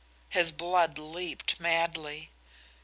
His blood leaped madly.